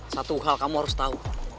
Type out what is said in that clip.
satu hal kamu harus tahu